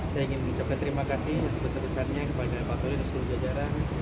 saya ingin mengucapkan terima kasih bersesat besarnya kepada pak tuli nusul ujajara